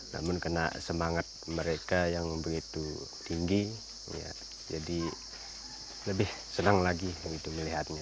namun kena semangat mereka yang begitu tinggi jadi lebih senang lagi melihatnya